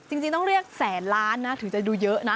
จริงต้องเรียกแสนล้านนะถึงจะดูเยอะนะ